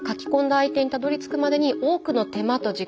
相手にたどりつくまでに多くの手間と時間